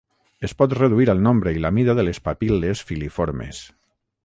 Es pot reduir el nombre i la mida de les papil·les filiformes.